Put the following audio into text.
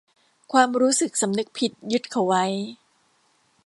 ความรู้สึกสำนึกผิดยึดเขาไว้